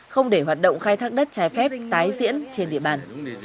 không để hoạt động khai thác đất trái phép tái diễn trên địa bàn